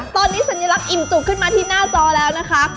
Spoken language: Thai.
ตอนนี้สัญลักษณ์อิ่มจุกขึ้นมาที่หน้าจอแล้วนะคะ